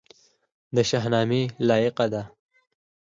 د شاهنامې لاحقه ده.